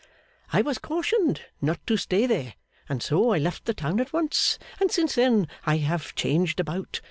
'I was cautioned not to stay there, and so I left the town at once, and since then I have changed about.